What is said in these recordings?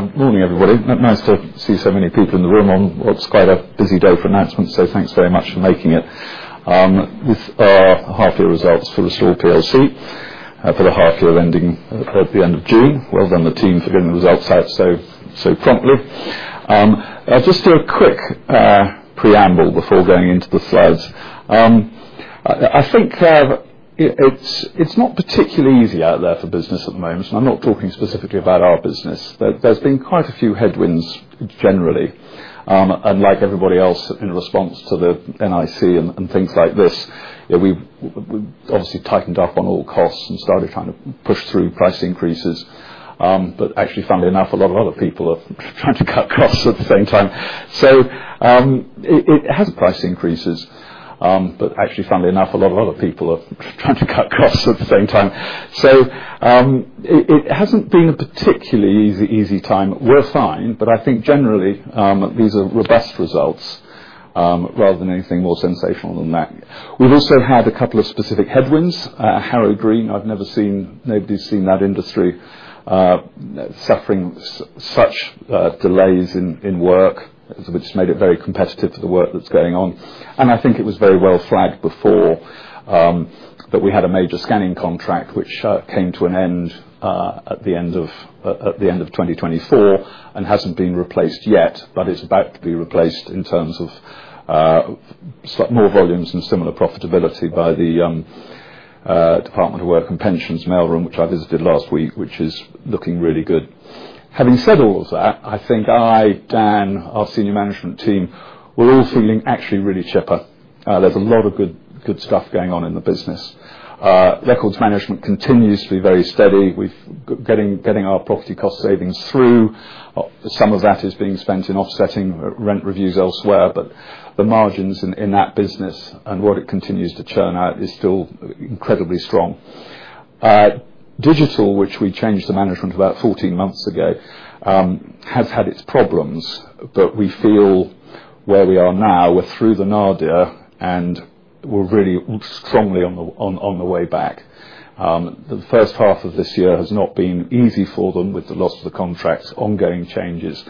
Morning everybody. Nice to see so many people in the room on what's quite a busy day. Thanks very much for making it with half year results for the Restore plc, but a half year ending at the end of June. Well done the team for getting the results out. Just a quick preamble before going into the slides. I think it's not particularly easy out there for business at the moment and I'm not talking specifically about our business. There's been quite a few headwinds generally and like everybody else in response to the NIC and things like this we obviously tightened up on all costs and started trying to push through price increases, but actually funnily enough a lot of other people are trying to cut costs. At the same time. It has price increases, but actually, funnily enough, a lot of other people are trying to cut costs at the same time. It hasn't been a particularly easy time. We're fine, but I think generally these are robust results rather than anything more sensational than that. We've also had a couple of specific headwinds. Harrow Green, I've never seen, nobody's seen that industry suffering such delays in work, which made it very competitive for the work that's going on. I think it was very well flagged before that we had a major scanning contract which came to an end at the end of 2024 and hasn't been replaced yet, but it's about to be replaced in terms of slightly more volumes and similar profitability by the Department for Work and Pensions mail room, which I visited last week, which is looking really good. Having said all of that, I think I, Dan, our Senior Management Team, were all feeling actually really chipper. There's a lot of good stuff going on in the business. Records management continues to be very steady. We're getting our property cost savings through. Some of that is being spent in offsetting rent reviews elsewhere, but the margins in that business and what it continues to turn out is still incredibly strong. Digital, which we changed the management about 14 months ago, has had its problems, but we feel where we are now, we're through the nadir and we're really extremely on the way back. The first half of this year has not been easy for them with the loss of the contracts and ongoing changes,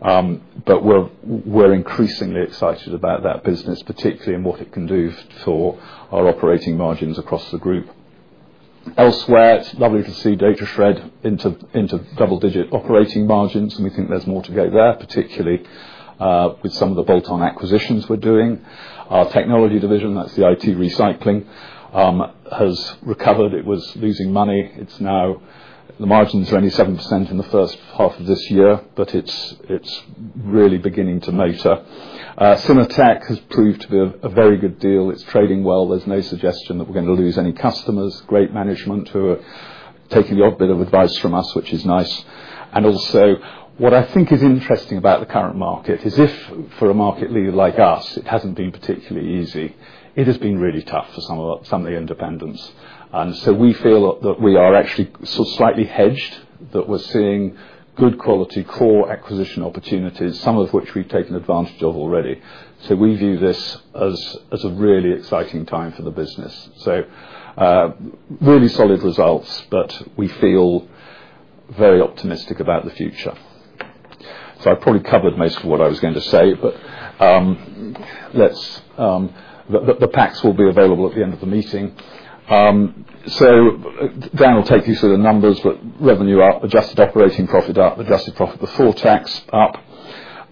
but we're increasingly excited about that business particularly and what it can do for our operating margins across the group. Elsewhere, it's lovely to see datashred into double-digit operating margins, and we think there's more to go there, particularly with some of the bolt-on acquisitions we're doing. Our technology division, that's the IT asset disposition, has recovered. It was losing money. Now the margins are only 7% in the first half of this year, but it's really beginning to matter. Synertec has proved to be a very good deal. It's trading well. There's no suggestion that we're going to lose any customers, great management who are taking the odd bit of advice from us, which is nice, and also what I think is interesting about the current market is if for a market leader like us it hasn't been particularly easy, it has been really tough for some of the independents, and we feel that we are actually slightly hedged that we're seeing good quality core acquisition opportunities, some of which we've taken advantage of already. We view this as a really exciting time for the business. Really solid results, but we feel very optimistic about the future. I probably covered most of what I was going to say. The PACs will be available at the end of the meeting. Dan will take you through the numbers, but revenue up, adjusted operating profit up, adjusted profit before tax up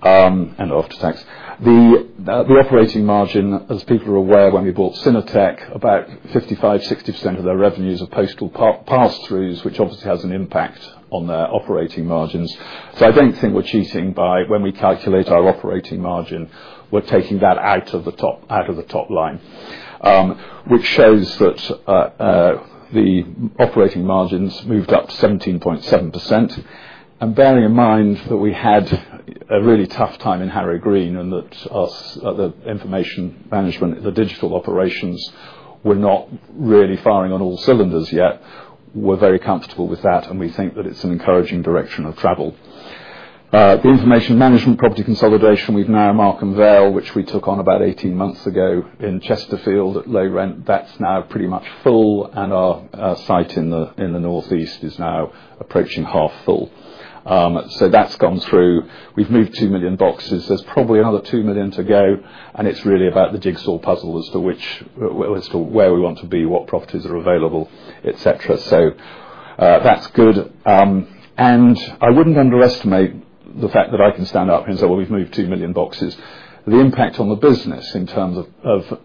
and after tax. The operating margin, as people are aware, when we bought Synertec, about 55%-60% of their revenues are postal pass throughs, which obviously has an impact on their operating margins. I don't think we're cheating by when we calculate our operating margin, we're taking that out of the top, out of the top line, which shows that the operating margins moved up 17.7%. Bearing in mind that we had a really tough time in Harrow Green and that the information management, the digital operations were not really firing on all cylinders yet, we're very comfortable with that, and we think that it's an encouraging direction of travel. The information management, property consolidation. We've now Markham Vale, which we took on about 18 months ago in Chesterfield at low rent, that's now pretty much full, and our site in the northeast is now approaching half full. That's gone through. We've moved 2 million boxes, there's probably another 2 million to go. It's really about the jigsaw puzzle as to where we want to be, what properties are, etc., so that's good. I wouldn't underestimate the fact that I can stand up and say we've moved 2 million boxes. The impact on the business in terms of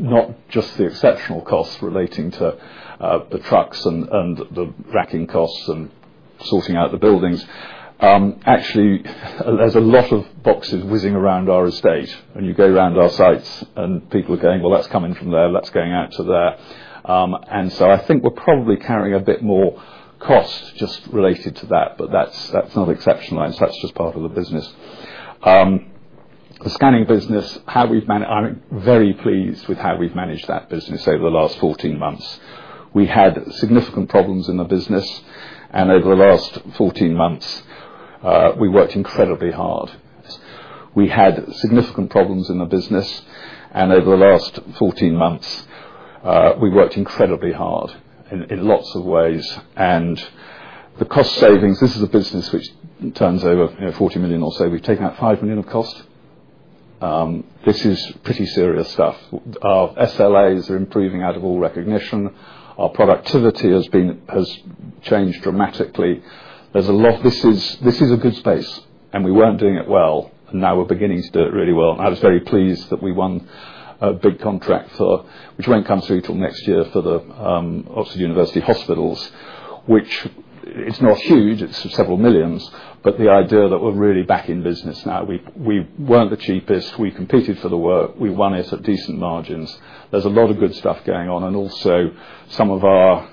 not just the exceptional costs relating to the trucks and the racking costs and sorting out the buildings, actually there's a lot of boxes whizzing around our estate, and you go around our sites and people are going, that's coming from there, that's going out to there. I think we're probably carrying a bit more cost just related to that. That's not exceptional, that's just part of the business, the scanning business. How we've managed, I'm very pleased with how we've managed that business. Over the last 14 months, we had significant problems in the business and over the last 14 months we worked incredibly hard in lots of ways and the cost savings. This is a business which turns over 40 million or so. We've taken out 5 million of cost. This is pretty serious stuff. Our SLAs are improving out of all recognition. Our productivity has changed dramatically. There's a lot. This is a good space and we weren't doing it well and now we're beginning to do it really well. I was very pleased that we won a big contract which won't come through till next year, Oxford University Hospitals, which is not huge, it's several millions. The idea that we're really back in business now, we weren't the cheapest, we competed for the work, we won it at decent margins. There's a lot of good stuff going on and also some of our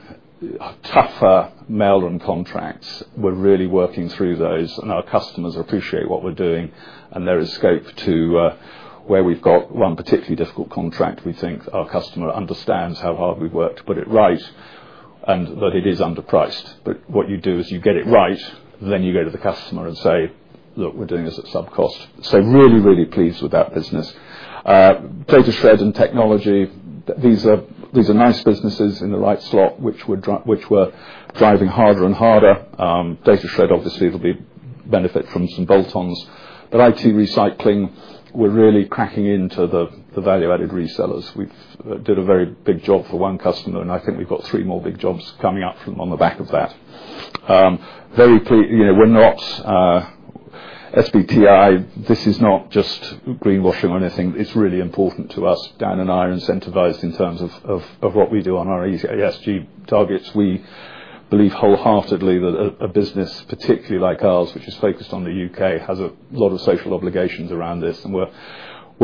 tougher mail run contracts, we're really working through those and our customers appreciate what we're doing and there is scope to where we've got one particularly difficult contract. We think our customer understands how hard we've worked to put it right and that it is underpriced. What you do is you get it right then you go to the customer and say look, we're doing this at sub cost. Really, really pleased with that business. Datashred and Technology, these are nice businesses in the right slot which we're driving harder and harder. Datashred, obviously it'll benefit from some bolt-ons, but IT recycling, we're really cracking into the value added resellers. We did a very big job for one customer and I think we've got three more big jobs coming up on the back of very pre. You know when that SBTi, this is not just greenwash or anything. It's really important to us. Dan and I are incentivized in terms of what we do on our ESG targets. We believe wholeheartedly that a business particularly like ours which is focused on the U.K. has a lot of social obligations around this and we're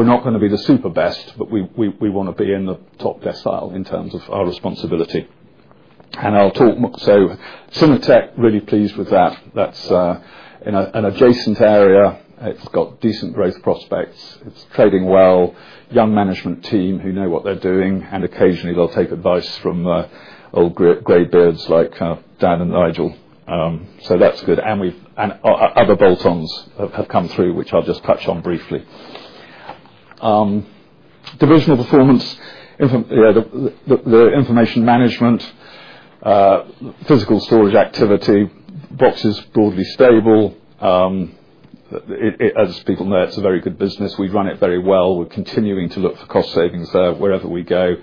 not going to be the super best but we want to be in the top decile in terms of our responsibility. I'll talk, so Synertec, really pleased with that. That's in an adjacent area. It's got decent growth prospects. It's trading well, young management team who know what they're doing, and occasionally they'll take advice from old gray birds like Dan and Nigel. That's good. Other bolt-ons have come through, which I'll just touch on briefly. Divisional performance: the information management physical storage activity box is broadly stable. As people know, it's a very good business. We run it very well. We're continuing to look for cost savings wherever we go,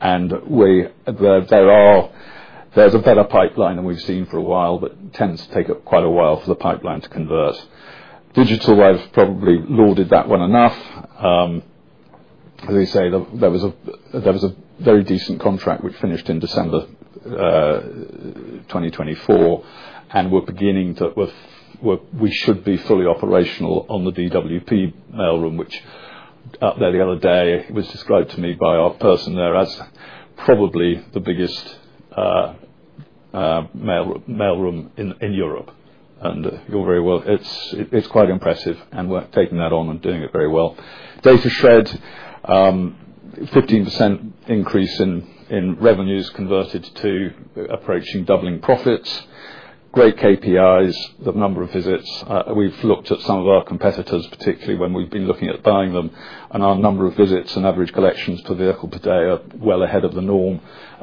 and there's a better pipeline than we've seen for a while, but it tends to take quite a while for the pipeline to convert. Digital, I've probably lauded that one enough. There was a very decent contract which finished in December 2024, and we should be fully operational on the DWP mailroom, which up there the other day was described to me by our person there as probably the biggest mailroom in Europe. It's quite impressive, and we're taking that on and doing it very well. Datashred, 15% increase in revenues converted to approaching doubling profits. Great KPIs, the number of visits. We've looked at some of our competitors, particularly when we've been looking at buying them, and our number of visits and average collections per vehicle per day are well ahead of the norm.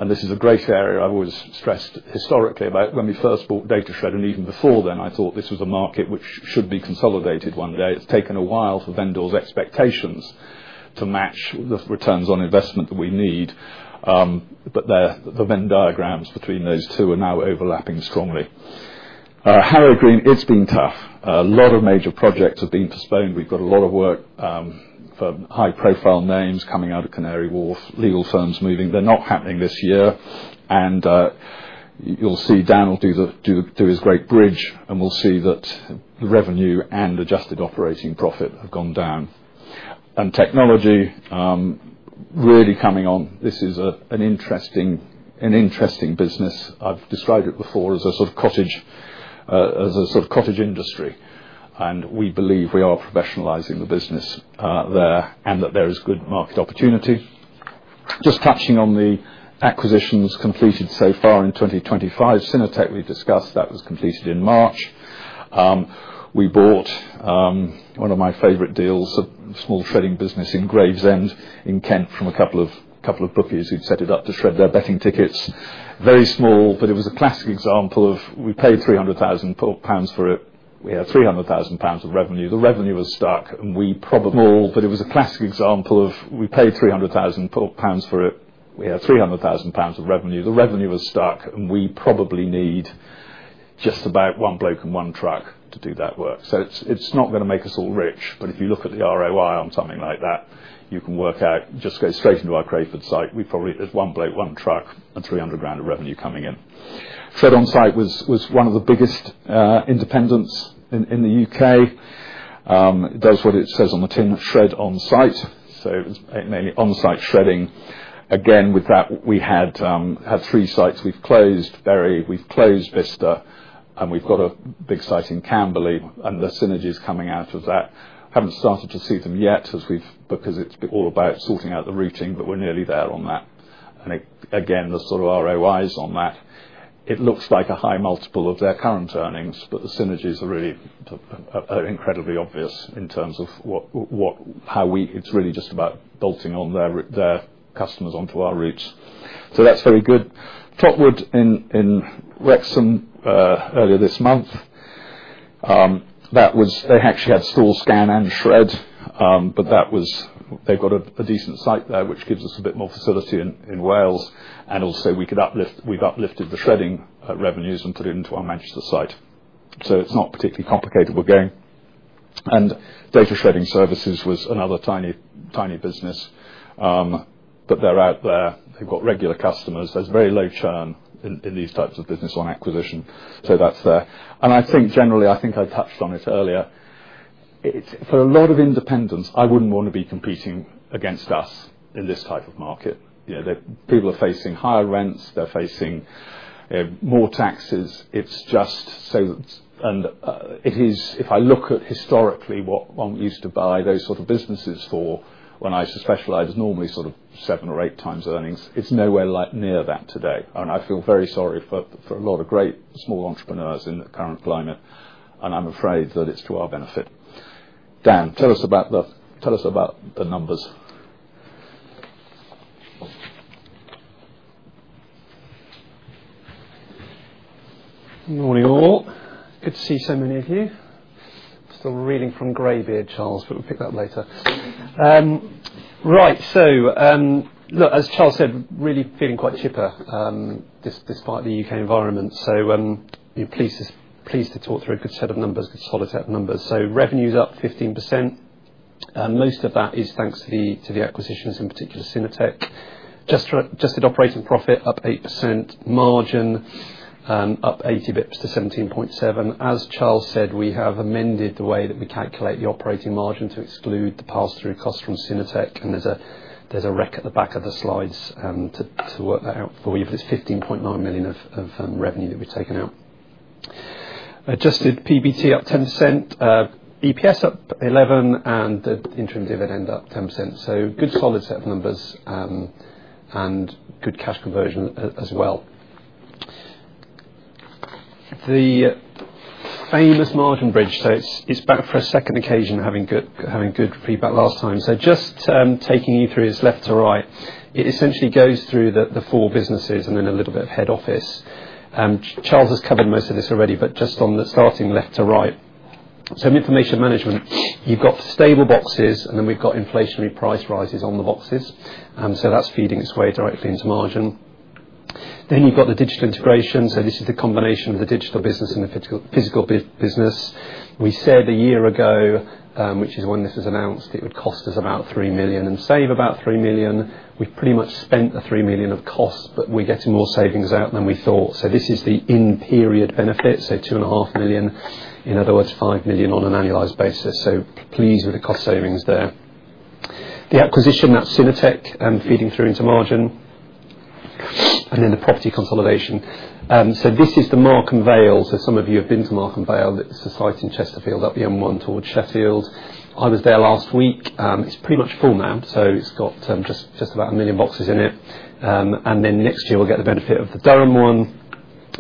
This is a great area. I've always stressed historically about when we first bought Datashred, and even before then, I thought this was a market which should be consolidated one day. It's taken a while for vendors' expectations to match the returns on investment that we need, but the Venn diagrams between those two are now overlapping strongly. Harrow Green, it's been tough. A lot of major projects have been postponed. We've got a lot of work for high profile names coming out of Canary Wharf, legal firms moving. They're not happening this year, and you'll see Dan will do his great bridge, and we'll see that the revenue and adjusted operating profit have gone down. Technology really coming on. This is an interesting business. I've described it before as a sort of cottage industry, and we believe we are professionalizing the business there and that there is good market opportunity. Just touching on the acquisitions completed so far in 2025, Synertec, we discussed, that was completed in March. We bought one of my favorite deals, a small trading business in Gravesend in Kent from a couple of. Couple of bookies who'd set it up to shred their betting tickets. Very small, but it was a classic example of we paid 300,000 pounds for it. We had 300,000 pounds of revenue. The revenue was stuck and we probably need just about one bloke and one truck to do that work. It's not going to make us all rich. If you look at the ROI on something like that, you can work out just go straight into our Crayford site. There's one bloke, one truck, and 300,000 of revenue coming in. Shred On Site was one of the biggest independents in the U.K. It does what it says on the tin of shred on site. Mainly on site shredding. With that, we had three sites. We've closed Vista and we've got a big site in Camberley. The synergies coming out of that haven't started to see them yet because it's all about sorting out the routing. We're nearly there on that. The sort of ROIs on that, it looks like a high multiple of their current earnings. The synergies are really incredibly obvious in terms of how we, it's really just about bolting on their customers onto our reach. That's very good. Topwood in Wrexham earlier this month, that was. They actually had stall scan and shred. That was. They've got a decent site there, which gives us a bit more facility in Wales. Also, we could uplift. We've uplifted the shredding revenues and put it into our Manchester site. It's not particularly complicated. We're going. Data shredding services was another tiny, tiny business. They're out there. They've got regular customers. There's very low churn in these types of business on acquisition. That's there. I think generally, I think I touched on it earlier. It's for a lot of independents. I wouldn't want to be competing against us in this type of market. You know that people are facing higher rents, they're facing more taxes. It's just so. If I look at historically what one used to buy those sort of businesses for when I specialized, normally sort of seven or eight times earnings. It's nowhere near that today and I feel very sorry for a lot of great small entrepreneurs in the current climate and I'm afraid that it's to our benefit. Dan, tell us about the, tell us about the numbers. Morning all. Good to see so many of you still reeling from graybeard Charles, but we'll pick that up later. Right, as Charles said, really feeling quite chipper despite the U.K. environment. You're pleased to talk through a good set of numbers. Good solid set of numbers. Revenue's up 15%. Most of that is thanks to the acquisitions, in particular Synertec. Adjusted operating profit up 8%. Margin up 80 bps to 17.7%. As Charles said, we have amended the way that we calculate the operating margin to exclude the pass-through cost from Synertec, and there's a rec at the back of the slides to work that out for you for this 15.9 million of revenue that we've taken out. Adjusted PBT up 10%, EPS up 11%, and the interim dividend up 10%. Good solid set of numbers and good cash conversion as well. The famous margin bridge is back for a second occasion, having good feedback last time. Just taking you through this left to right, it essentially goes through the four businesses and then a little bit of head office. Charles has covered most of this already, but just on the starting left to right, information management, you've got stable boxes and then we've got inflationary price rises on the boxes. That's feeding its way directly into margin. Then you've got the digital integration. This is the combination of the digital business and the physical business. We said a year ago, which is when this was announced, it would cost us about 3 million and save about 3 million. We've pretty much spent the 3 million of costs, but we're getting more savings out than we thought. This is the in-period benefit, so 2.5 million. In other words, 5 million on an annualized basis. Pleased with the cost savings there. The acquisition, that's Synertec feeding through into margin, and then the property consolidation. Bristol's the Markham Vale. Some of you have been to Markham Vale. It's the site in Chesterfield, up the M1 towards Sheffield. I was there last week. It's pretty much full now, so it's got just about a million boxes in it. Next year we'll get the benefit of the Durham one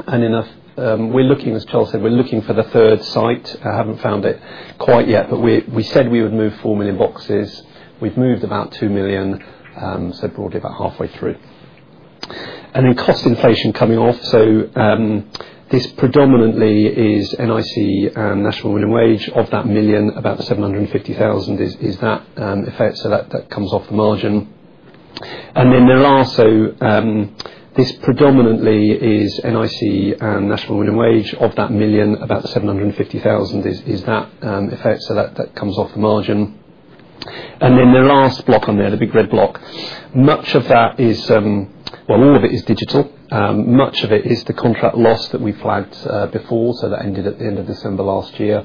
and enough. We're looking, as Charles said, we're looking for the third site. I haven't found it quite yet, but we said we would move 4 million boxes, we've moved about 2 million. Broadly about halfway through. Cost inflation coming off. This predominantly is NIC and national minimum wage. Of that 1 million, about 750,000 is that effect. That comes off the margin. This predominantly is NIC national minimum wage. Of that million, about 750,000 is that effect. That comes off the margin. The last block on there, the big red block, much of that is digital. Much of it is the contract loss that we flagged before. That ended at the end of December last year.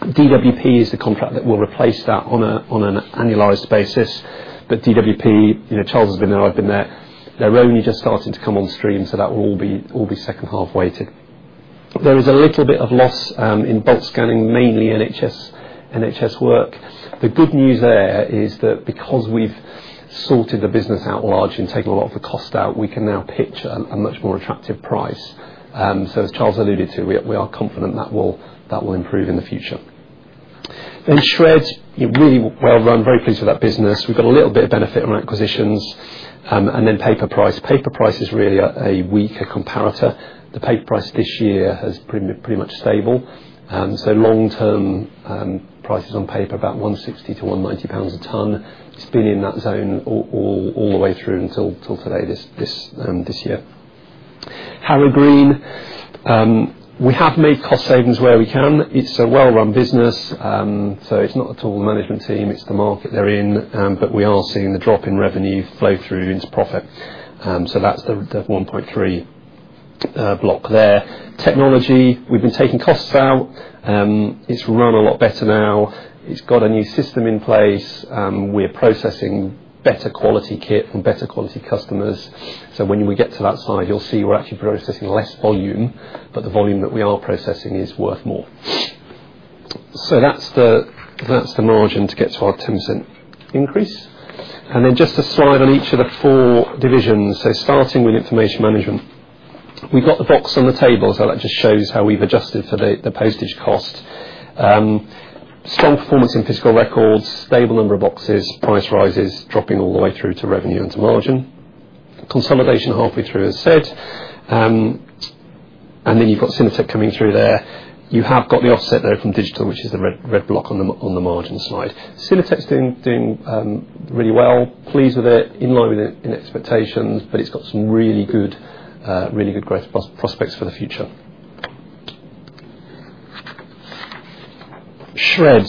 DWP is the contract that will replace that on an annualized basis. DWP, you know, Charles has been there, I've been there. They're only just starting to come on stream. That will all be second half weighted. There is a little bit of loss in bed scanning, mainly NHS work. The good news there is that because we've sorted the business out large and taken a lot of the cost out, we can now pitch a much more attractive price. As Charles alluded to, we are confident that will improve in the future. On shreds, you're really well run, very pleased with that business. We've got a little bit of benefit on acquisitions and then paper price. Paper price is really a weaker comparator. The paper price this year has pretty much stable. Long term prices on paper, about 160-190 pounds a tonne. It's been in that zone all the way through until today. This year, Harrow Green, we have made cost savings where we can. It's a well run business, so it's not at all the management team, it's the market they're in. We are seeing the drop in revenue flow through into profit. That's the 1.3 million block there. Technology, we've been taking costs out. It's run a lot better now. It's got a new system in place. We're processing better quality kit from better quality customers. When we get to that side, you'll see we're actually processing less volume, but the volume that we are processing is worth more. That's the margin to get to our 10% increase and then just a slide on each of the four divisions. Starting with information management, we've got the box on the table, so that just shows how we've adjusted for the postage cost. Standard performance in physical records, stable number of boxes, price rises, dropping all the way through to revenue and to margin consolidation halfway through as said. Then you've got Synertec coming through there. You have got the offset there from digital, which is the red block on the margin slide. Synertec's doing really well, pleased with it, in line with expectations, but it's got some really good, really good growth prospects for the future. Future shred.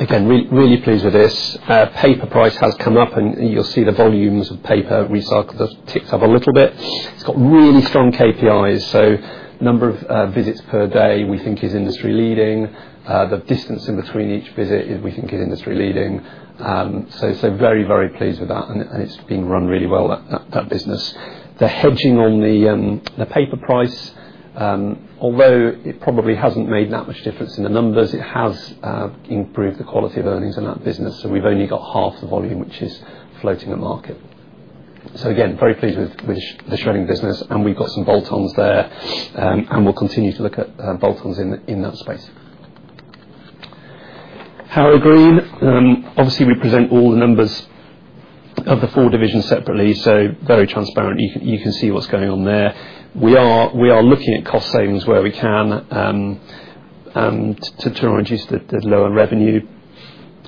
Really pleased with this. Paper price has come up, and you'll see the volumes of paper recycled tick up a little bit. It's got really strong KPIs. Number of visits per day we think is industry leading. The distance in between each visit we think is industry leading. Very, very pleased with that. It's being run really well, that business. They're fudging on the paper price, although it probably hasn't made that much difference in the numbers, it has improved the quality of earnings in that business. We've only got half the volume which is floating at market. Very pleased with the shredding business, and we've got some bolt-ons there, and we'll continue to look at bolt-ons in that space. Harrow Green. Obviously, we present all the numbers of the four divisions separately. Very transparent. You can see what's going on there. We are looking at cost savings, savings where we can to try and reduce the lower revenue.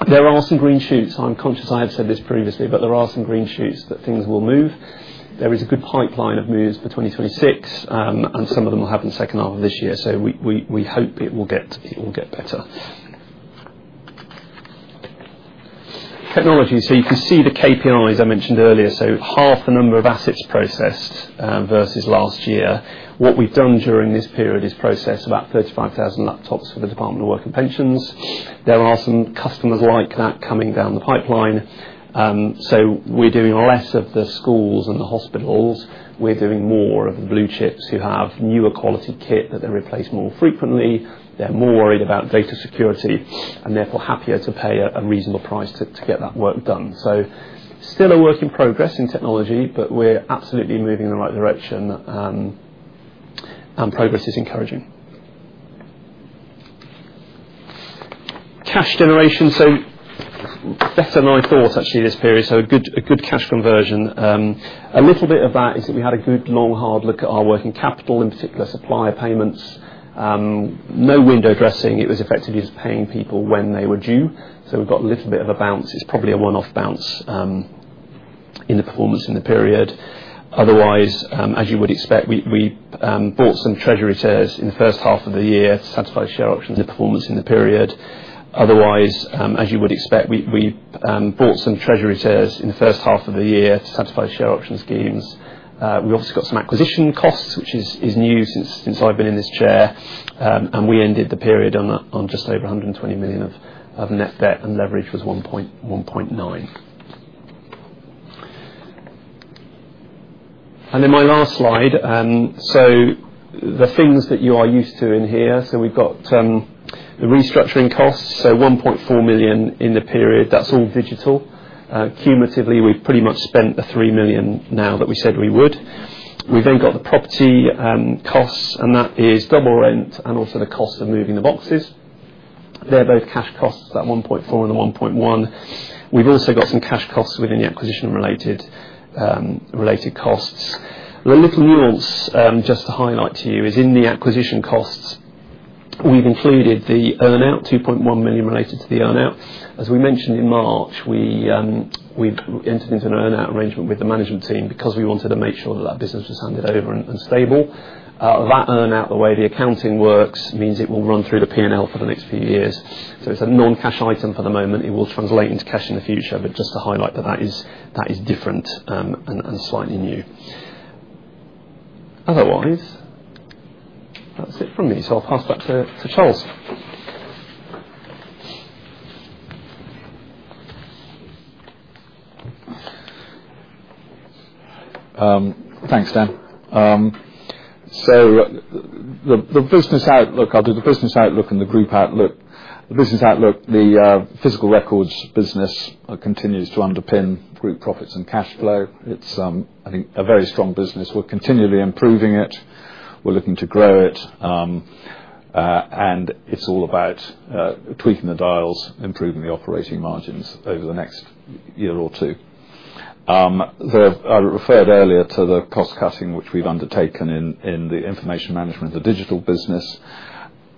There are some green shoots. I'm conscious I have said this previously, but there are some green shoots that things will move. There is a good pipeline of moves for 2026, and some of them will happen second half of this year. We hope it will get better. Technology. You can see the KPIs I mentioned earlier. Half the number of assets processed versus last year. What we've done during this period is process about 35,000 laptops for the Department for Work and Pensions. There are some customers like that coming down the pipeline. We're doing less of the schools and the hospitals, we're doing more of the blue chips who have newer quality kit that they replace more frequently. They're more worried about data security and therefore happier to pay a reasonable price. To get that work done. Still a work in progress in technology, but we're absolutely moving in the right direction and progress is encouraging cash generation. Better than I thought actually this period. A good, a good cash conversion. A little bit of that is that we had a good long hard look at our working capital, in particular supplier payments, no window dressing, it was effectively just paying people when they were due. We've got a little bit of a bounce. It's probably a one-off bounce in the performance in the period. Otherwise, as you would expect, we bought some treasury shares in the first half of the year to satisfy share option schemes. We also got some acquisition costs, which is new since I've been in this chair, and we ended the period on just over 120 million of net debt and leverage was 1.9x. In my. Last slide, so the things that you are used to in here. We've got the restructuring costs, so 1.4 million in the period, that's all digital. Cumulatively, we pretty much spent the 3 million now that we said we would. We've then got the property costs, and that is double rent and also the cost of moving the boxes. They're both cash costs, that 1.4 and the 1.1. We've also got some cash costs within the acquisition related costs. Just to highlight to you, in the acquisition costs we've included the earn out, 2.1 million related to the earn out. As we mentioned in March, we entered into an earn out arrangement with the management team because we wanted to make sure that that business was handed over and stable. That earn out, the way the accounting works, means it will run through the P&L. for the next few years. It's a non-cash item for the moment, it will translate into cash in the future, but just to highlight that that is different and slightly new. Otherwise, that's it from me. I'll pass that to Charles. Thanks Dan. The business outlook: the physical records business continues to underpin group profits and cash flow. It's, I think, a very strong business. We're continually improving it, we're looking to grow it, and it's all about tweaking the dials, improving the operating margins over the next year or two. I referred earlier to the cost cutting which we've undertaken in the information management, the digital business,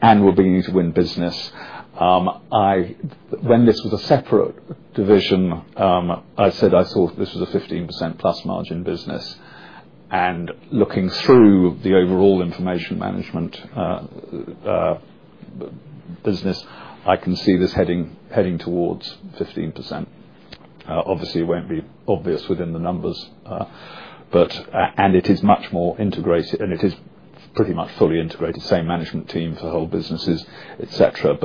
and we're beginning to win business. When this was a separate division, I said I thought this was a 15%+ margin business, and looking through the overall information management business, I can see this heading towards 15%. Obviously, it won't be obvious within the numbers, but it is much more integrated and it is pretty much fully integrated. Same management team for whole businesses, etc.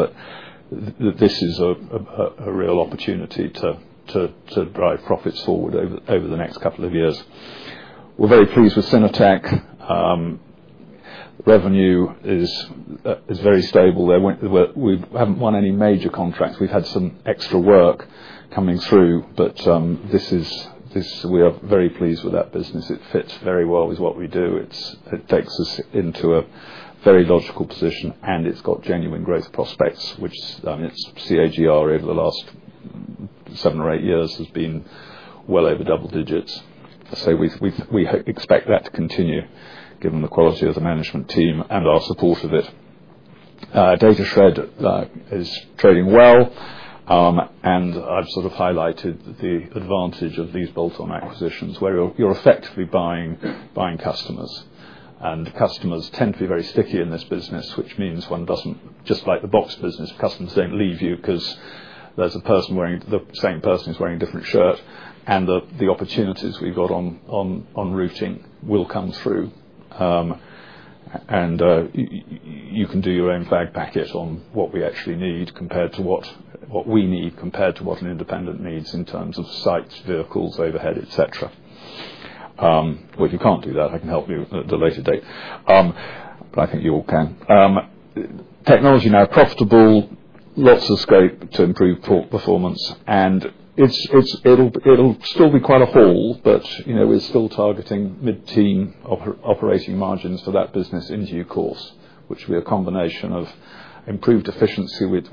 This is a real opportunity to drive profits forward over the next couple of years. We're very pleased with Synertec. Revenue is very stable. We haven't won any major contracts, we've had some extra work coming through, but we are very pleased with that business. It fits very well with what we do. It takes us into a very logical position, and it's got genuine growth prospects, which, I mean, CAGR over the last seven or eight years has been well over double digits, so we expect that to continue given the quality of the management team and our support of it. Datashred is trading well, and I've highlighted the advantage of these bolt-on acquisitions where you're effectively buying customers, and customers tend to be very sticky in this business, which means, just like the box business, customers don't leave you because there's a person wearing the same person who's wearing a different shirt. The opportunities we've got on routing will come through, and you can do your own flag packet on what we actually need compared to what we need compared to what an independent needs in terms of sites, vehicles, overhead, etc. If you can't do that, I can help you at a later date, but I think you all can. Technology now profitable, lots of scope to improve performance, and it'll still be quite a haul, but we're still targeting mid-teen operating margins for that business into your course, which will be a combination of improved efficiency. We've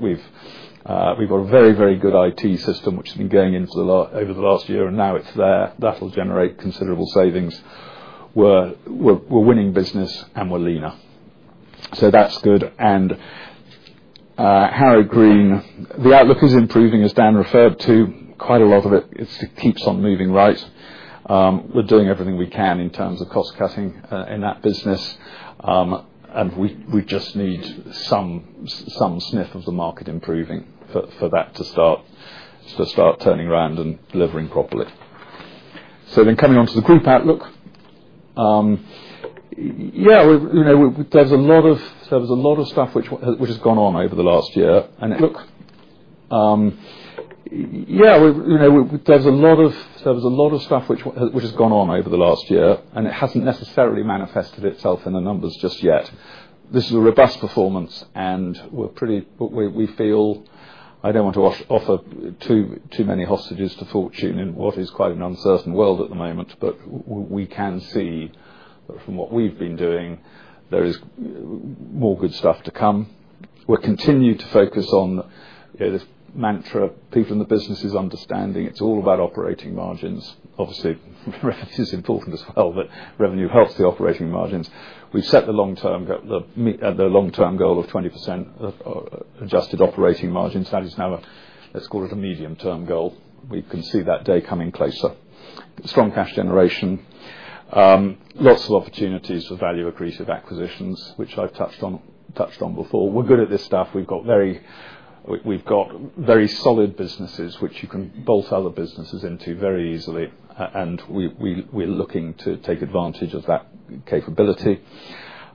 got a very, very good IT system which has been going in over the last year and now it's there, that'll generate considerable savings. We're winning business and we're leaner, so that's good. Harrow Green, the outlook is improving as Dan referred to quite a lot of it. It keeps on moving. We're doing everything we can in terms of cost cutting in that business and we just need some sniff of the market improving for that to start turning around and delivering properly. Coming on to the group outlook, there's a lot of stuff which has gone on over the last year and it hasn't necessarily manifested itself in the numbers just yet. This is a robust performance and we feel, I don't want to offer too many hostages to fortune in what is quite an uncertain world at the moment, but we can see from what we've been doing there is more good stuff to come. We'll continue to focus on this mantra, people in the businesses understanding it's all about operating margins. Obviously, reference is important as well, but revenue helps the operating margins. We've set the long term goal of 20% adjusted operating margins; that is now, let's call it a medium term goal. We can see that day coming closer. Strong cash generation, lots of opportunities for value accretive acquisitions, which I've touched on before. We're good at this stuff. We've got very solid businesses which you can bolt other businesses into very easily and we're looking to take advantage of that capability.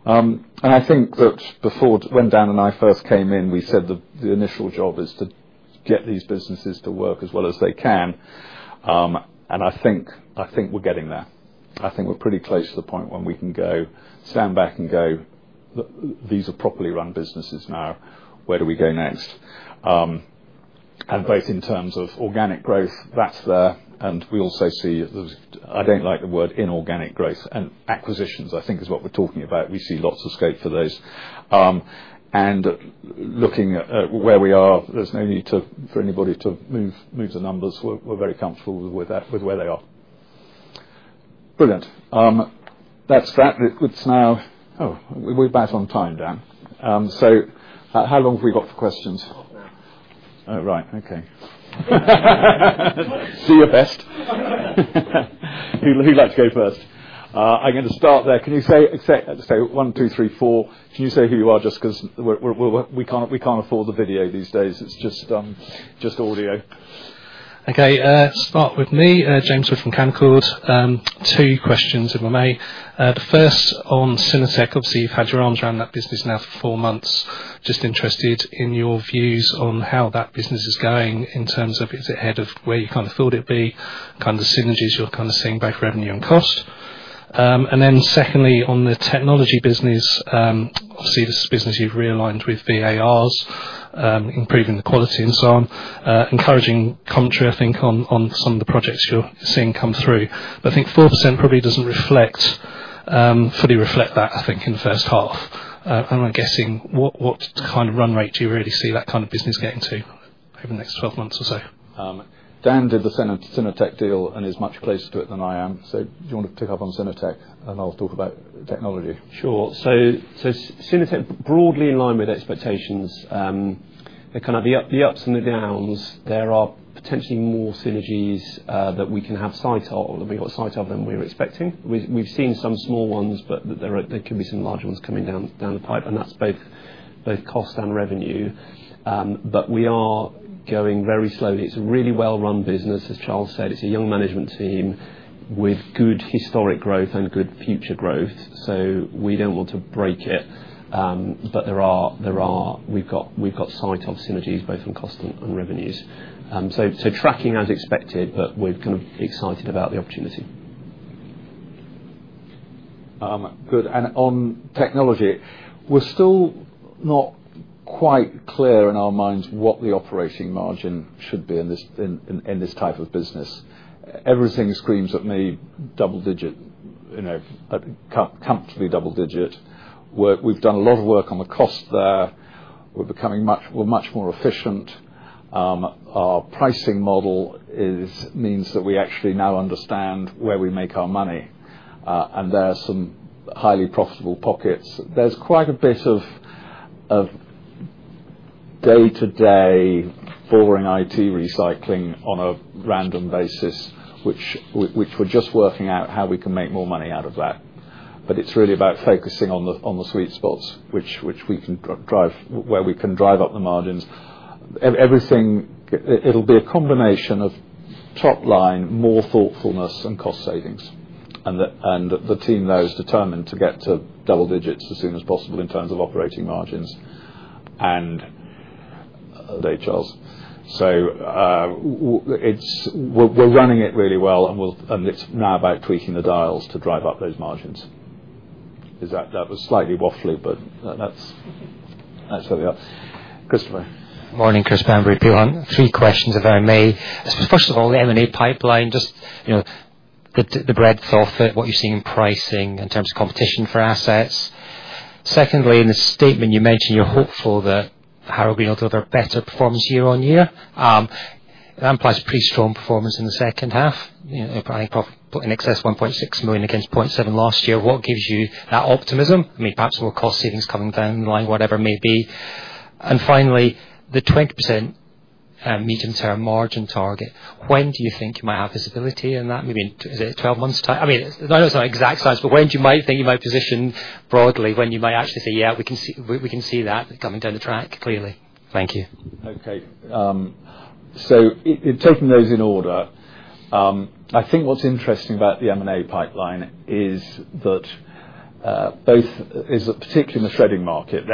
Before, when Dan and I first came in, we said the initial job is to get these businesses to work as well as they can. I think we're getting there. I think we're pretty close to the point when we can stand back and go, these are properly run businesses now. Where do we go next? Both in terms of organic growth, that's there. We also see, I don't like the word inorganic growth, and acquisitions I think is what we're talking about. See lots of scope for those and looking at where we are, there's no need for anybody to move the numbers. We're very comfortable with where they are. Brilliant. That's that. It's now—oh, we're back on time, Dan. So how long have we got for questions? Oh, right, okay. See who'd like to go first. I'm going to start there. Can you say 1, 2, 3, 4? Can you say who you are? Because we can't afford the video these days. It's just audio. Okay. With me, James Wood from Canaccord. Two questions in my May. The first on Synertec, obviously you've had your arms around that business now for four months. Just interested in your views on how that business is going in terms of is it ahead of where you kind. Thought it'd be? Kind of synergies. You're seeing both revenue and cost. Secondly, on the technology business, you see this business you've realigned with VARs, improving the quality and so on. Encouraging commentary, I think, on some of the projects you're seeing come through. I think 4% probably doesn't fully reflect that in first half, and I'm guessing what kind of run rate do you really see that kind of business getting to over the next 12 months or so? Dan did the Synertec deal and is much closer to it than I am. Do you want to pick up on Synertec and I'll talk about technology? Sure. Synertec broadly in line with expectations, kind of the ups and the downs. There are potentially more synergies that we can have sight of or that we've got sight of than we were expecting. We've seen some small ones, but there could be some larger ones coming down the pipe and that's both cost and revenue. We are going very slowly. It's a really well-run business, as Charles said. It's a young management team with good historic growth and good future growth. We don't want to break it. We've got sight of synergies both from cost and revenues, so tracking as expected, but we're kind of excited about the opportunity. Good. On Technology we're still not quite clear in our minds what the operating margin should be in this type of business. Everything screams at me double digit, you know, comfortably double digit. We've done a lot of work on the cost there. We're becoming much, we're much more efficient. Our pricing model means that we actually now understand where we make our money and there are some highly profitable pockets. There's quite a bit of day to day forwarding it, recycling on a random basis which we're just working out how we can make more money out of that. It's really about focusing on the sweet spots which we can drive, where we can drive up the margins. It'll be a combination of top line, more thoughtfulness and cost savings and the team there is determined to get to double digits as soon as possible in terms of operating margins. Charles. We're running it really well, and it's now about tweaking the dials to drive up those margins. That was slightly waffly, but that's what we are. Christopher Morning. Three questions if I may. First of all, the M&A pipeline, just the breadth of it, what you're seeing in pricing in terms of competition for assets. Secondly, in the statement you mentioned you're hopeful that Harrow Green will deliver better performance year on year. That implies a pretty strong performance in the second half, in excess of 1.6 million against 0.7 million last year. What gives you that optimism? I mean perhaps more cost savings coming down the line, whatever it may be. Finally, the 20% medium term margin target. When do you think you might have visibility in that? Maybe is it 12 months' time? I mean I know it's not exact science but when do you think you might position broadly when you might actually say yeah, we can see that coming down the track clearly. Thank you. Okay, so in taking those in order, I think what's interesting about the M&A pipeline is that particularly in the shredding market,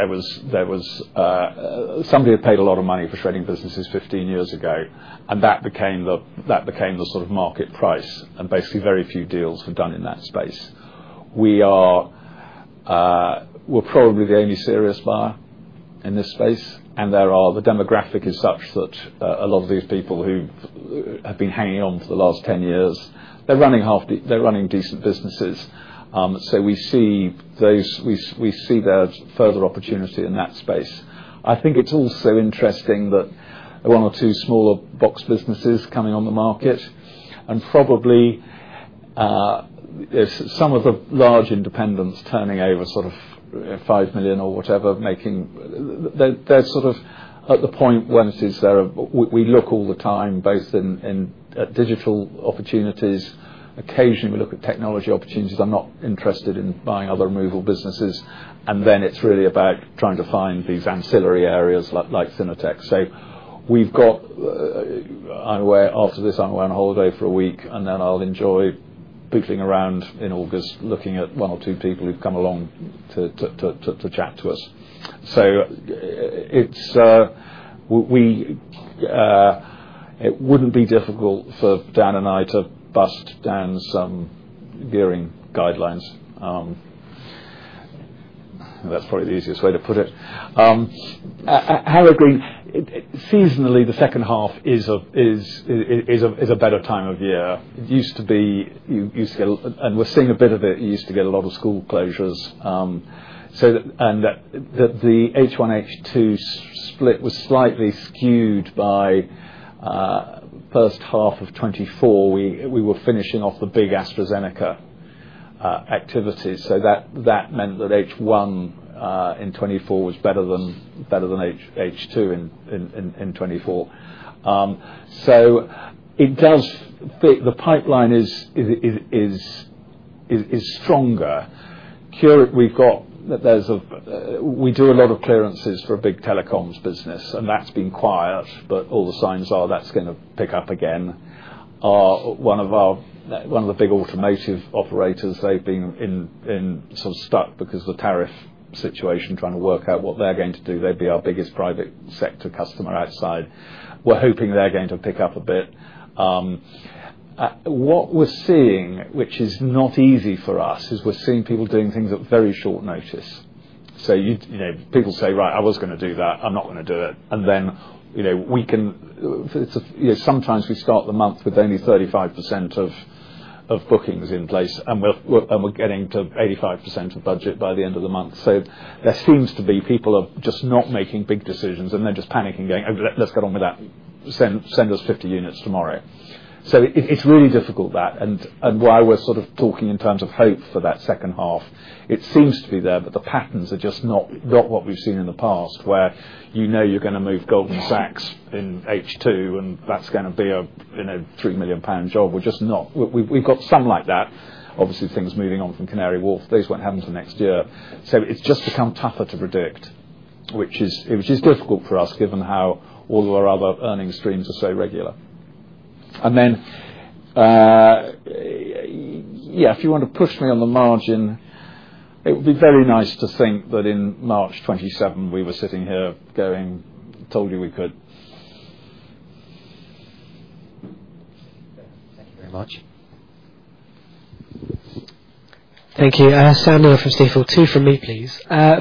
somebody had paid a lot of money for shredding businesses 15 years ago and that became the sort of market price and basically very few deals were done in that space. We are probably the only serious buyer in this space and the demographic is such that a lot of these people who have been hanging on for the last 10 years, they're running decent businesses. We see those, we see there's further opportunity in that space. I think it's also interesting that one or two smaller box businesses are coming on the market and probably some of the large independents turning over sort of 5 million or whatever, making, they're sort of at the point when it is there. We look all the time both in digital opportunities, occasionally we look at technology opportunities. I'm not interested in buying other removal businesses and then it's really about trying to find these ancillary areas like Synertec. I've got, I wear after this, I'm wearing holiday for a week and then I'll enjoy pootling around in August looking at one or two people who've come along to chat to us. It wouldn't be difficult for Dan and I to bust down some gearing guidelines. That's probably the easiest way to put it. Harrow Green seasonally, the second half is a better time of year. It used to be used and we're seeing a bit of it, used to get a lot of school closures and the H1, H2 split was slightly skewed. By first half of 2024 we were finishing off the big AstraZeneca activities. That meant that H1 in 2024 was better than H2 in 2024. The pipeline is stronger. We do a lot of clearances for a big telecoms business and that's been quiet, but all the signs are that's going to pick up again. One of the big automotive operators, they've been sort of stuck because of the tariffs situation, trying to work out what they're going to do. They'd be our biggest private sector customer outside. We're hoping they're going to pick up a bit. What we're seeing, which is not easy for us, is we're seeing people doing things at very short notice. People say, right, I was going to do that, I'm not going to do it. Sometimes we start the month with only 35% of bookings in place and we're. We're getting to 85% of budget by the end of the month. There seems to be this pattern of just not making big decisions and then just panicking, going, let's get on with that, send us 50 units tomorrow. It's really difficult, and that's why we're sort of talking in terms of hope for that second half. It seems to be there, but the patterns are just not what we've seen in the past where, you know, you're going to move Goldman Sachs in H2 and that's going to be a 3 million pound job. We're just not. We've got some like that. Obviously, things moving on from Canary Wharf, those won't happen for next year, so it's just become tougher to reduce, which is difficult for us given how all of our other earnings streams are so regular. If you want to push me on the margin, it would be very nice to think that in March 27th we were sitting here going, told you we could. Thank you very much. Thank you. Sam from Stifel. Two from me, please.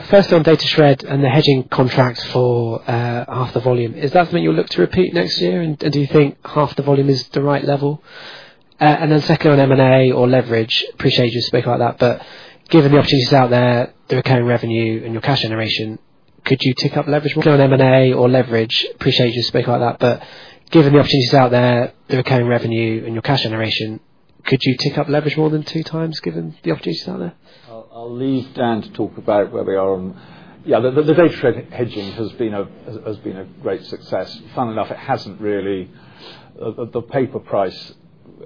First on datashred and the hedging contract for half the volume, is that something. You'll look to repeat next year? Do you think half the volume is the right level? Second, on M&A or leverage, appreciate you spoke about that. Given references out there, the recurring revenue and your cash generation, could you tick up leverage more on M&A or leverage? Appreciate you spoke about that. Given references out there, the recurring revenue and your cash generation, could you tick up leverage more than 2x? Given the opportunities out there? I'll leave Dan to talk about where we are on. Yeah, the data hedging has been a great success. Funnily enough, it hasn't really. The paper price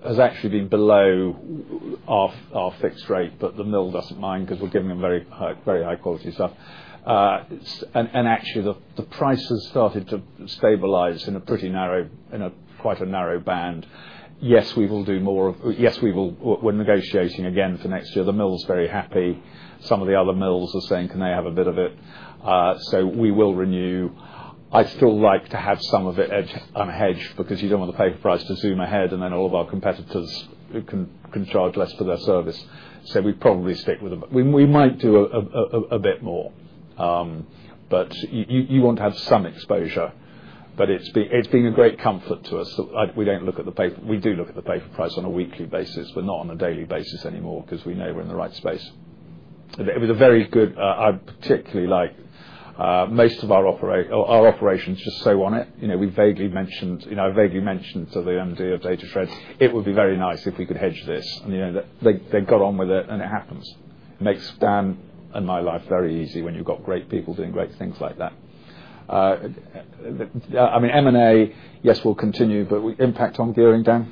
has actually been below our fixed rate, but the mill doesn't mind because we're giving them very high quality stuff. Actually, the price has started to stabilize in quite a narrow band. Yes, we will do more of. Yes, we will. We're negotiating again for next year. The mill's very happy. Some of the other mills are saying can they have a bit of it, so we will renew. I'd still like to have some of it unhedged because you don't want the paper price to zoom ahead and then all of our competitors can charge less for their service, so we'd probably stick with them. We might do a bit more, but you want to have some exposure. It's been a great comfort to us. We do look at the paper price on a weekly basis, but not on a daily basis anymore because we know we're in the right space. It was very good. I particularly like most of our operations just so on it. I vaguely mentioned to the MD of Datashred it would be very nice if we could hedge this, and they got on with it and it happened. Makes Dan and my life very easy when you've got great people doing great things like that. I mean, M&A, yes, will continue, but impact on gearing, Dan?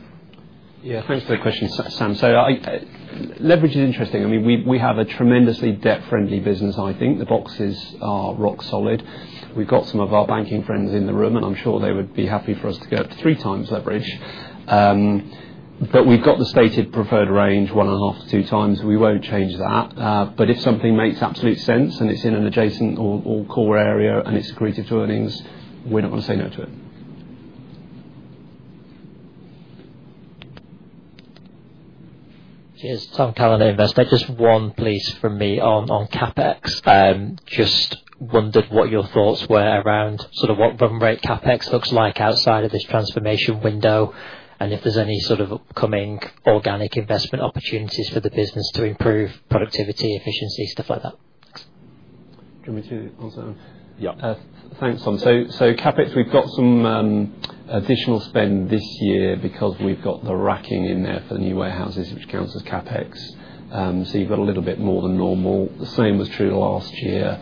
Yeah, thanks for the question Sam. Leverage is interesting. I mean we have a tremendously debt-friendly business. I think the boxes are rock solid. We've got some of our banking friends in the room, and I'm sure they would be happy for us to go up to 3x leverage, but we've got the stated preferred range 1.5x-2x. We won't change that, but if something makes absolute sense and it's in an adjacent or core area and it's accretive to earnings, we don't want to say no to it. Cheers. Sam calling Investec, just one please from me on CapEx. Just wondered what your thoughts were around sort of what run rate CapEx looks like outside of this transformation window, and if there's any sort of coming organic investment opportunities for the business to improve productivity, efficiency, stuff like that. Yeah, thanks Tom. CapEx, we've got some additional spend this year because we've got the racking in there for the new warehouses, which counts as CapEx, so you've got a little bit more than normal. The same was true last year,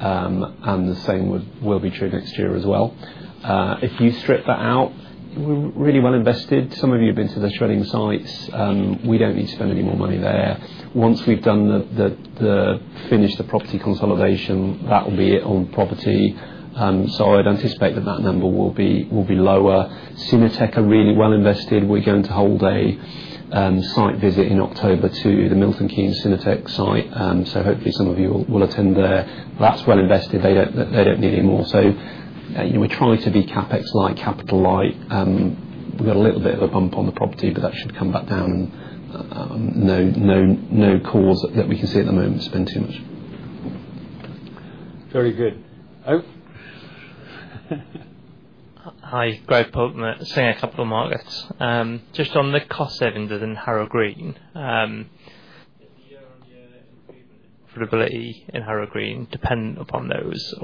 and the same will be true next year as well if you strip that out. We're really well invested. Some of you have been to the shredding sites. We don't need to spend any more money there. Once we've finished the property consolidation, that will be on property, so I'd anticipate that that number will be lower. Synertec are really well invested. We're going to hold a site visit in October to the Milton Keynes Synertec site, so hopefully some of you will attend there. That's well invested. They don't need any more. We try to be CapEx light, capital light. We've got a little bit of a bump on the property, but that should come back down. No, no, no cause that we can see at the moment spend too much. Very good. O. Hi Greg Poultman. Seeing a couple of markets just on. The cost savings in Harrow Green depend upon those.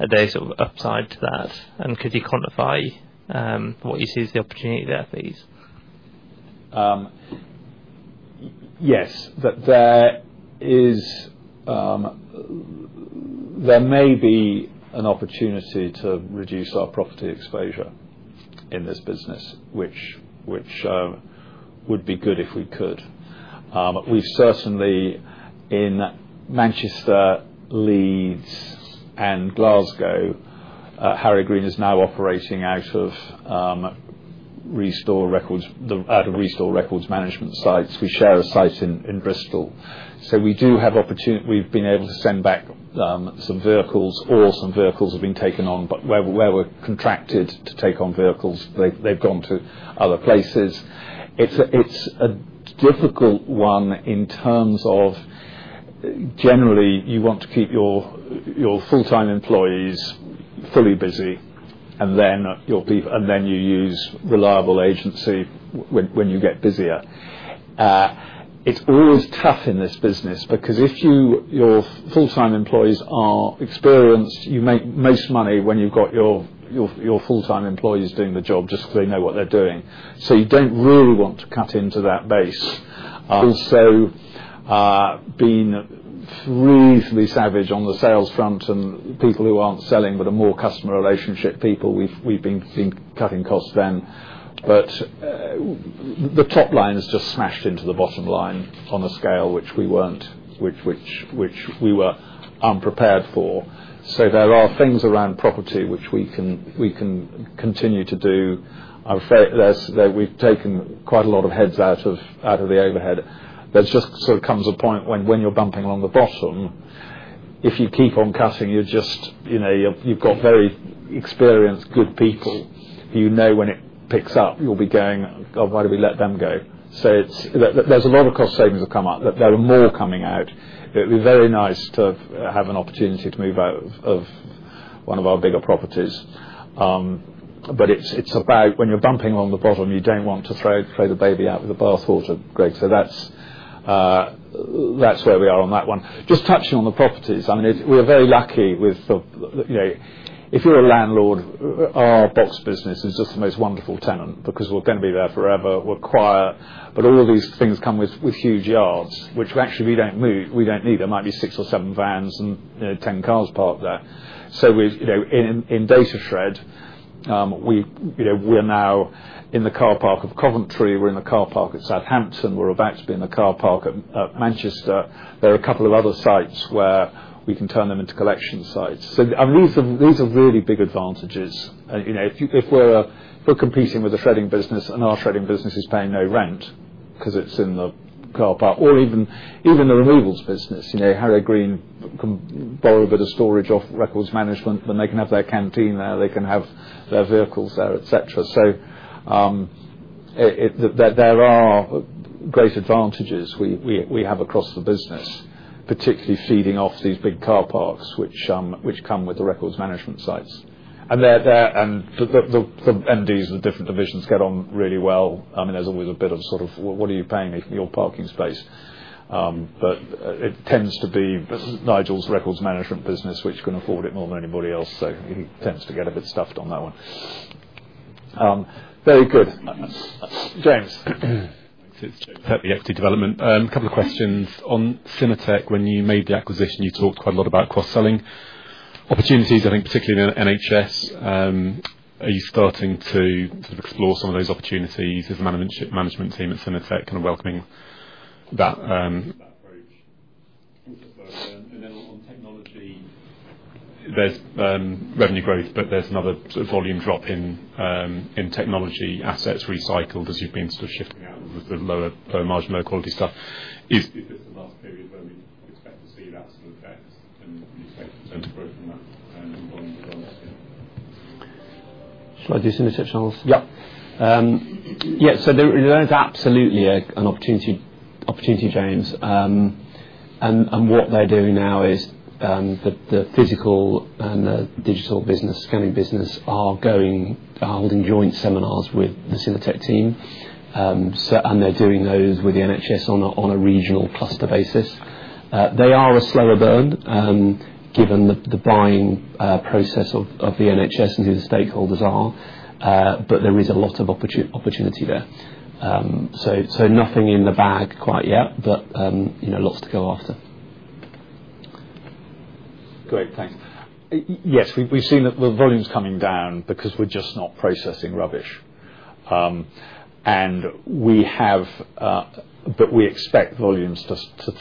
Are there sort of upside? Could you quantify what you see as the opportunity there, please? Yes, there may be an opportunity to reduce our property exposure in this business, which would be good if we could. We certainly, in Manchester, Leeds, and Glasgow, Harrow Green is now operating out of Restore Records management sites. We share a site in Bristol, so we do have opportunity. We've been able to send back some vehicles or some vehicles have been taken on, but where we're contracted to take on vehicles, they've gone to other places. It's a difficult one in terms of generally you want to keep your full-time employees fully busy and then you use reliable agency when you get busier. It's always tough in this business because if your full-time employees are experienced, you make most money when you've got your full-time employees doing the job. They know what they're doing, so you don't really want to cut into that base. We've also been reasonably savage on the sales front and people who aren't selling but are more customer relationship people. We've been seeing cutting costs then, but the top line is just smashed into the bottom line on a scale which we were unprepared for. There are things around property which we can continue to do. I felt that we've taken quite a lot of heads out of the overhead. There just sort of comes a point when you're bumping along the bottom. If you keep on cutting, you've got very experienced good people who, when it picks up, you'll be going, why did we let them go? There's a lot of cost. Savings that come up. There are more coming out. It'd be very nice to have an opportunity to move out of one of our bigger properties. It's about when you're bumping along the bottom, you don't want to throw the baby out with the bath water. Greg, that's where we are on that one. Just touching on the properties, we are very lucky with, you know, if we're a landlord, our best business is just the most wonderful tenant because we're going to be there forever. We're quiet, but all these things come with huge yards which actually we don't move, we don't need. There might be six or seven vans and ten cars parked there. In Datashred, we're now in the car park of Coventry, we're in the car park at Southampton, we're about to be in the car park at Manchester. There are a couple of other sites where we can turn them into collection sites. These are really big advantages. If we're competing with a shredding business and our shredding business is paying no rent because it's in the car park or even the removals business, Harrow Green borrow a bit of storage off information management, then they can have their canteen there, they can have their vehicles there, etc. There are great advantages we have across the business, particularly feeding off these big car parks which come with the information management sites and they're there. The MDs of different divisions get on really well. There's always a bit of, sort of, what are you paying me for your parking space? It tends to be Nigel's information management business, which can afford it more than anybody else, so he tends to get a bit stuffed on that one. Very good, James. Purple Equity Development. A couple of questions on Synertec. When you made the acquisition, you talked. Quite a lot about cross selling opportunities. I think, particularly in NHS. Are you starting to explore some of those opportunities as management team at Synertec and welcoming that there's revenue growth, but there's another volume drop in technology assets recycled as you've been sort of shifting out with the lower margin, lower quality stuff? Is this the last period where we expect to see that and to grow from that? There is absolutely an opportunity, James. What they're doing now is the physical and the digital business, scanning business are going, holding joint seminars with the Synertec team, and they're doing those with the NHS on a regional cluster basis. They are a slower burn given the buying process of the NHS and who the stakeholders are, but there is a lot of opportunity there. Nothing in the bag quite yet, but lots to go after. Great, thanks. Yes, we've seen that, the volumes coming down because we're just not processing rubbish, and we expect volumes to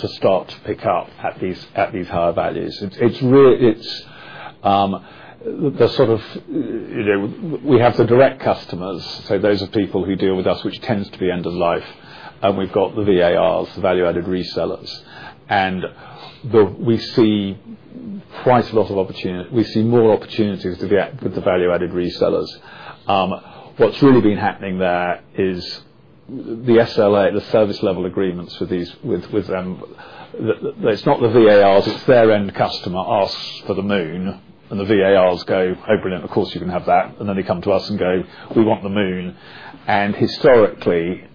start to pick up at these higher values. We have the direct customers, so those are people who deal with us, which tends to be end of life. We've got the VARs, the value added resellers, and we see quite a lot of opportunity. We see more opportunities with the value added resellers. What's really been happening there is the SLA, the service level agreements with them. It's not the VARs, it's their end customer asks for the moon, and the VARs go, oh, brilliant, of course you can have that. Then they come to us and go, we want the moon. Historically,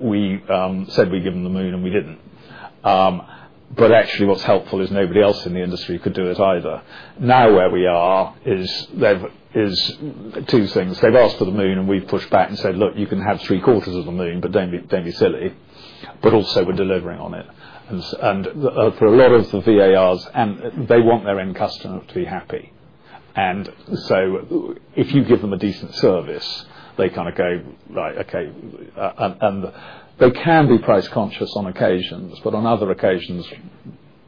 we said we'd give them the moon and we didn't. Actually, what's helpful is nobody else in the industry could do it either. Now, where we are is there are two things. They've asked for the moon and we've pushed back and said, look, you can have three quarters of the moon, but don't be silly. Also, we're delivering on it, and for a lot of the VARs, they want their end customer to be happy. Happy. If you give them a decent service, they kind of go like, okay. They can be price conscious on occasions, but on other occasions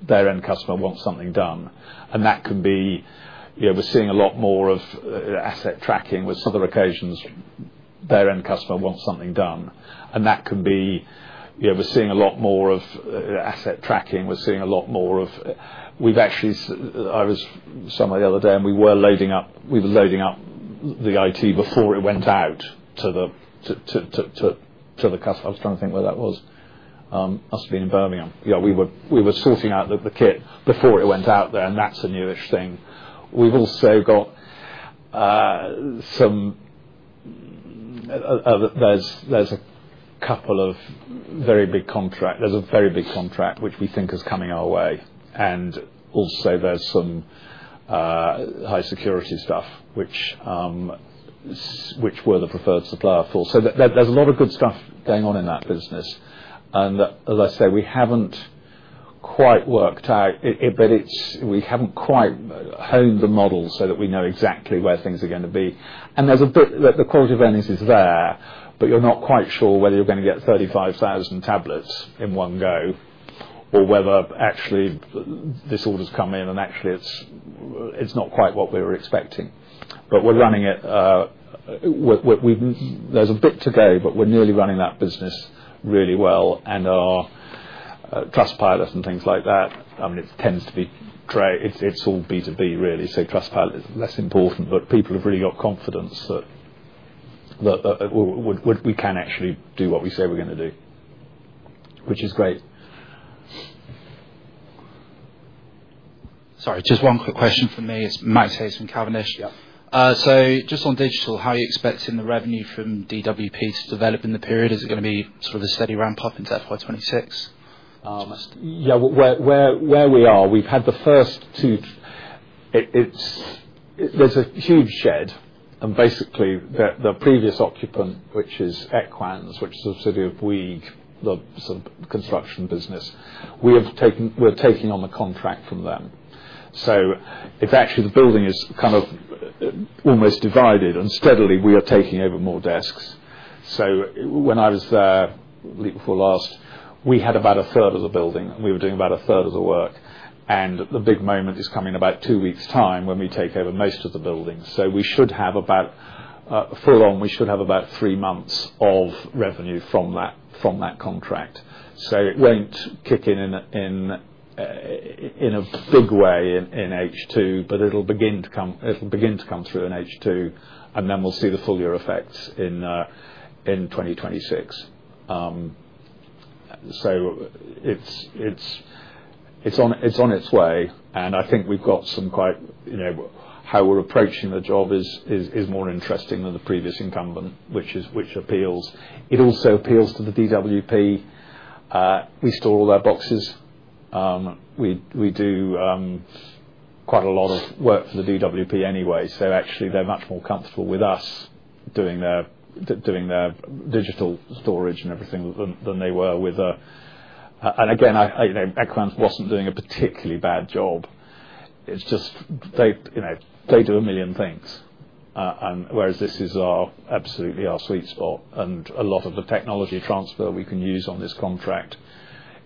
their end customer wants something done and that can be. We're seeing a lot more of asset tracking. We've actually. I was somewhere the other day and we were loading up the IT before it went out to the. To. The customer. I was trying to think where that was, us being in Birmingham. Yeah, we were sorting out the kit before it went out there, and that's a newish thing. We've also got. There's a couple of very big contracts. There's a very big contract which we think is coming our way. Also, there's some high security stuff which we're the preferred supplier for. There's a lot of good stuff going on in that business and as I say, we haven't quite worked out but we haven't quite honed the model so that we know exactly where things are going to be and there's a bit that the quality of earnings is there but you're not quite sure whether you're going to get 35,000 tablets in one go or whether actually this order's come in and actually it's not quite what we were expecting but we're running it. There's a book today but we're nearly running that business really well and our Trustpilot and things like that, I mean it tends to be great. It's all B2B really so Trustpilot is less important but people have really got confidence that we can actually do what we say we're going to do, which is great. Sorry, just one quick question for me. It's Max Hayes from Cavendish. Just on digital, how are you expecting the revenue from DWP to develop in the period? Is it going to be sort of... The steady ramp up into FY 2026? Yeah, where we are. We've had the first two. There'S a. Huge shed and basically the previous occupant, which is Equans, which is a city of weig. The construction business we have taken. We're taking on the contract from them. The building is kind of almost divided and steadily we are taking over more desks. When I was there before last we had about a third of the building and we were doing about a third of the work. The big moment is coming in about two weeks' time when we take over most of the building. We should have about three months of revenue from that contract. It won't kick in a big way in H2 but it'll begin to come through in H2 and then we'll see the full year effects in 2026. It's on its way and I think how we're approaching the job is more interesting than the previous income government, which appeals. It also appeals to the DWP. We store all their boxes. We do quite a lot of work for the DWP anyway, so actually they're much more comfortable with us doing their digital storage and everything than they were with, and again, Equivalence wasn't doing a particularly bad job. It's just they do a million things, whereas this is our absolutely our sweet spot, and a lot of the technology transfer we can use on this contract.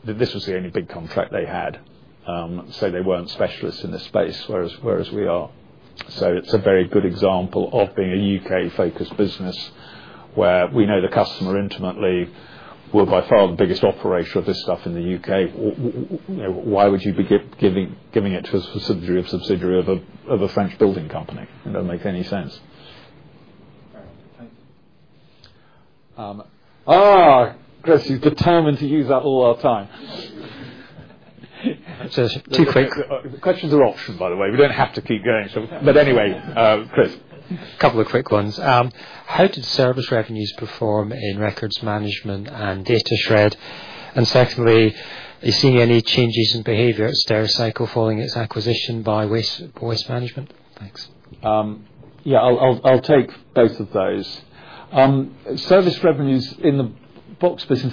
This was the only big contract they had, so they weren't specialists in this space, whereas we are. It's a very good example of being a U.K. focused business where we know the customer intimately. We're by far the biggest operator of this stuff in the U.K. Why would you be giving it to a subsidiary of a French building company? It doesn't make any sense. Chris, he's determined to use that. All our time questions are optioned, by the way. We don't have to keep going. Anyway, Chris, A couple of quick ones. How did service revenues perform in records management and datashred? Secondly, are you seeing any changes in behavior at Stericycle following its acquisition by Waste Voice Management? Thanks. Yeah, I'll take both of those service revenues in the box business.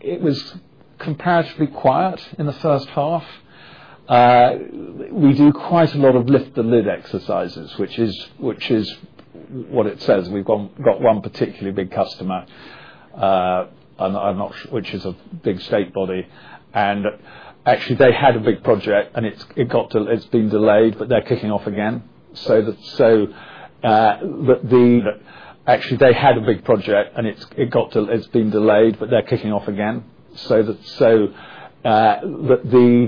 It was comparatively quiet in the first half. We do quite a lot of lift the lid exercises, which is what it says. We've got one particularly big customer, which is a big state body, and actually they had a big project and it's been delayed, but they're kicking off again, so actually they had a big project and it's. It got. It's been delayed but they're kicking off again, so the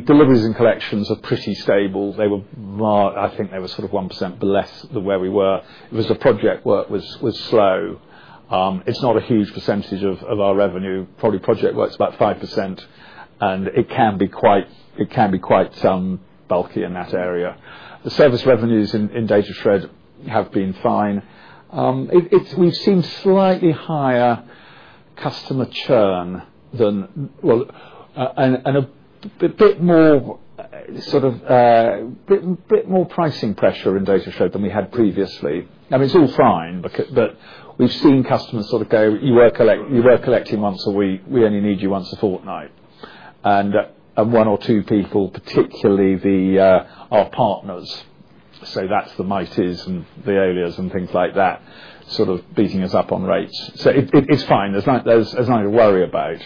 deliveries and collections are pretty stable. I think they were sort of 1% less than where we were. Project work was slow. It's not a huge percentage of our revenue, probably project work's about 5%, and it can be quite bulky in that area. The service revenues in datashred have been fine. We've seen slightly higher customer churn and a bit more pricing pressure in datashred than we had previously. I mean, it's all fine, but we've seen customers sort of go, you were collecting once a week, we only need you once a fortnight. One or two people, particularly our partners, say that's the mighties and the alias and things like that, sort of beating us up on rates. It's fine. There's nothing to worry about,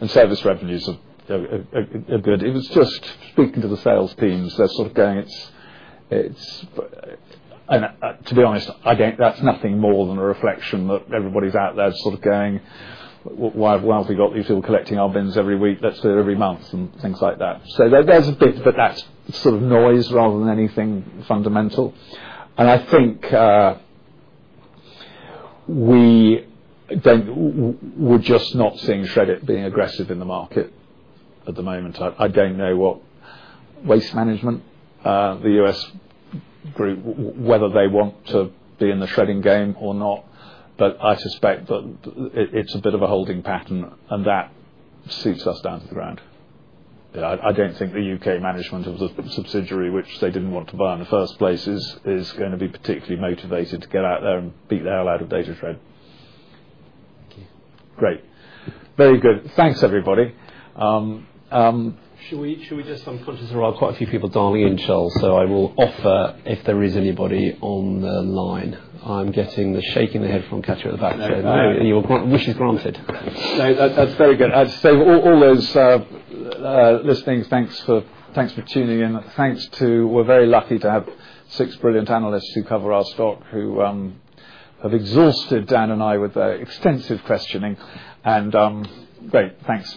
and service revenues are good. Speaking to the sales teams, they're sort of going, it's, it's. To be honest, I don't. That's nothing more than a reflection that everybody's out there sort of going, why have we got these people collecting our bins every week, let's do it every month and things like that. There's a bit, but that's sort of noise rather than anything fundamental, and I think we don't. We're just not seeing Shred-it being aggressive in the market at the moment. I don't know what Waste Management, the U.S. group, whether they want to be in the shredding game or not, but I suspect that it's a bit of a holding pattern and that suits us down to the ground. I don't think the UK management of the subsidiary, which they didn't want to buy in the first place, is going to be particularly motivated to get out there and beat the hell out of datashred. Great. Very good. Thanks everybody. Should we just. Quite a few people dialing in, so I will offer if there is anybody on the line. I'm getting the shake of the head from Katya at the back, which is granted. That's very good, all those listings. Thanks for tuning in. We're very lucky to have six brilliant analysts who cover our stock, who have exhausted Dan and I with their extensive questioning and great thanks.